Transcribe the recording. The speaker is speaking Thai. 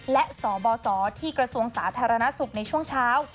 และสบสที่กระทรวงสาธารณสุขในช่วงเช้า